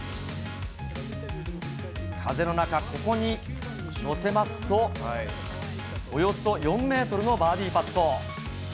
風の中、ここに載せますと、およそ４メートルのバーディーパット。